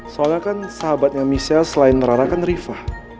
soalnya kan sahabatnya misal selain rara kan rifqi